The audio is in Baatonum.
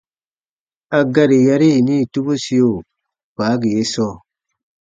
A gari yari yini tubusio faagi ye sɔɔ :